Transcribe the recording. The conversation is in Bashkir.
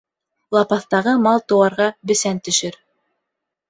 Лапаҫтағы мал-тыуарға бесән төшөр.